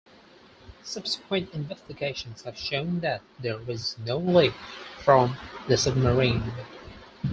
Subsequent investigations have shown that there was no leak from the submarine.